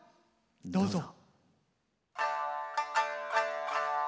どうぞ。